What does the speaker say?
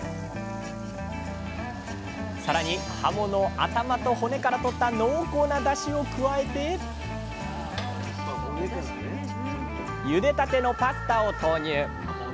さらにはもの頭と骨からとった濃厚なだしを加えてゆでたてのパスタを投入！